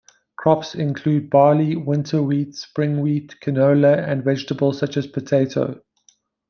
Crops include barley, winter wheat, spring wheat, canola and vegetables such as potato.